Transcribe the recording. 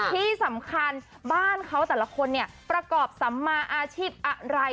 ที่สำคัญบ้านเขาแต่ละคนเนี่ยประกอบสัมมาอาชีพอะไร